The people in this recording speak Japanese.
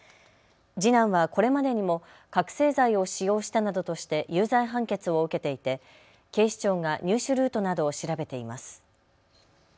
次男はこれまでにも覚醒剤を使用したなどとして有罪判決を受けていて警視庁が入手ルートなどを調べています。